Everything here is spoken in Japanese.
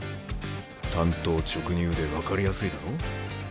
単刀直入で分かりやすいだろう？